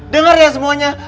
dengar ya semuanya